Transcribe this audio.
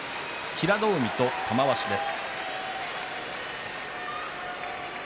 平戸海と玉鷲です。